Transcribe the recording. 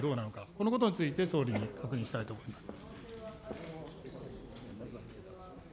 このことについて総理に確認したいと思います。